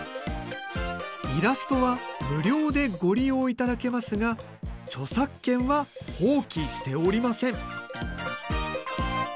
「イラストは無料でご利用いただけますが著作権は放棄しておりません」。